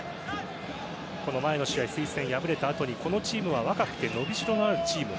前の試合、スイス戦に敗れたあとこのチームは若くて伸びしろがあるチーム。